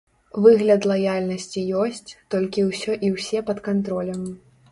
Выгляд лаяльнасці ёсць, толькі ўсё і ўсе пад кантролем.